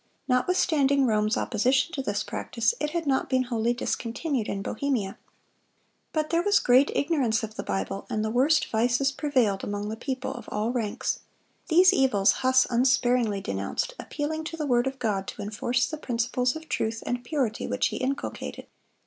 Notwithstanding Rome's opposition to this practice, it had not been wholly discontinued in Bohemia. But there was great ignorance of the Bible, and the worst vices prevailed among the people of all ranks. These evils Huss unsparingly denounced, appealing to the word of God to enforce the principles of truth and purity which he inculcated.